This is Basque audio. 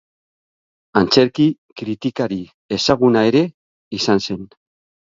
Antzerki-kritikari ezaguna ere izan zen.